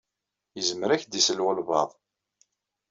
Izmer ad ak-d-isel walebɛaḍ.